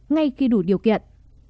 ngay khi đủ điều kiện